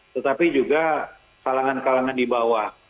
tetapi juga kalangan kalangan di bawah